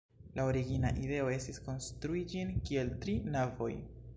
La origina ideo estis konstrui ĝin kiel tri navoj.